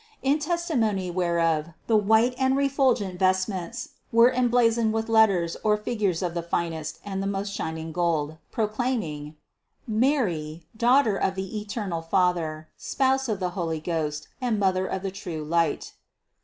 In testimony whereof the white and refulgent vestments were emblaz oned with letters or figures of the finest and the most shining gold, proclaiming: Mary, Daughter of the eter nal Father, Spouse of the Holy Ghost and Mother of the true Light.